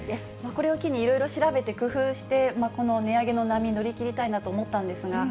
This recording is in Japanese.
これを機に、いろいろ調べて、工夫して、この値上げの波、乗り切りたいなと思ったんですが、